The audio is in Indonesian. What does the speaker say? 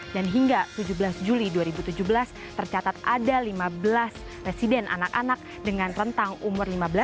dan hingga tujuh belas juli dua ribu tujuh belas tercatat ada lima belas residen anak anak dengan rentang umur lima belas